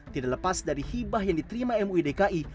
tidak lepas dari hibah yang diterima muidki